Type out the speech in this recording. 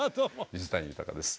水谷豊です。